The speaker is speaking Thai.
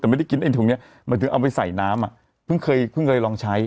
แต่ไม่ได้กินไอ้ถุงเนี้ยหมายถึงเอาไปใส่น้ำอ่ะเพิ่งเคยเพิ่งเคยลองใช้